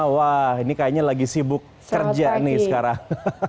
wah ini kayaknya lagi sibuk kerja nih sekarang